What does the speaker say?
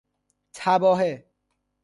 تباهه